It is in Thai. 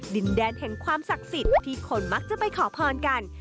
ดินแดนแห่งความศักดิ์สิทธิ์ที่คนมักจะไปขอพรกัน